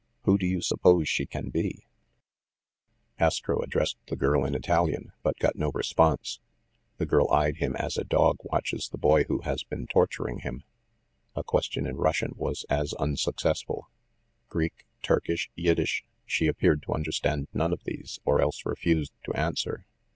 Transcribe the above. Who do you suppose she can be ?" Astro addressed the girl in Italian; but got no re sponse. The girl eyed him as a dog watches the boy who has been torturing him. A question in Russian was as unsuccessful. Greek, Turkish, Yiddish, ‚ÄĒ she appeared to understand none of these, or else refused to answer.